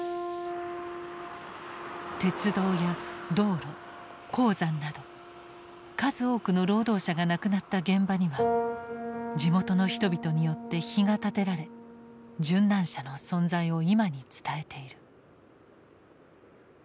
鉄道や道路鉱山など数多くの労働者が亡くなった現場には地元の人々によって碑が建てられ殉難者の存在を今に伝えている。